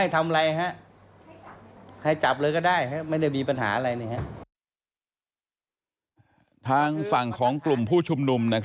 ทางฝั่งของกลุ่มผู้ชุมนุม